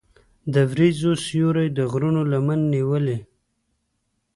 د وریځو سیوری د غرونو لمن نیولې.